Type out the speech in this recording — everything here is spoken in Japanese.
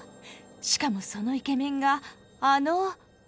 しかもそのイケメンがあの。